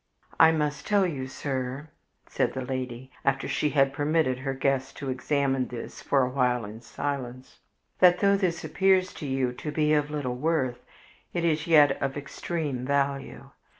"I must tell you, sir," said the lady, after she had permitted her guest to examine this for a while in silence, "that though this appears to you to be of little worth, it is yet of extreme value.